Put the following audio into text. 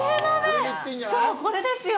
そう、これですよ。